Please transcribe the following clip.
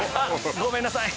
ごめんなさい